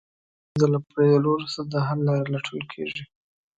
په ستونزه له پوهېدو وروسته د حل لارې لټون کېږي.